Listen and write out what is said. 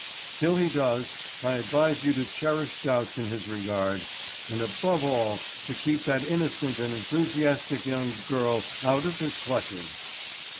Till he does, I advise you to cherish doubts in his regard, and above all to keep that innocent and enthusiastic young girl out of his clutches."